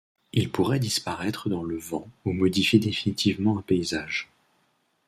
Il pourrait disparaître dans le vent ou modifier définitivement un paysage.